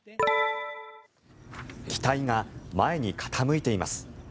機体が前に傾いています。